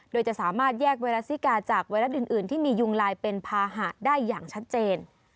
โดยจะสามารถแยกไวรัสซิกาจากไวรัสอื่นที่มียุงลายเป็นภาหะได้อย่างชัดเจน